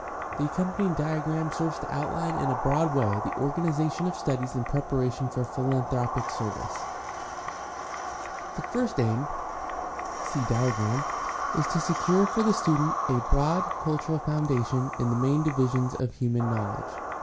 The accompanying diagram serves to outline in a broad way the organization of studies in preparation for philanthropic service. The 702 GUIDE TO STUDY OF CHRISTIAN RELIGION first aim (see diagram) is to secure for the student a broad cultural foundation in the main divisions of human knowledge.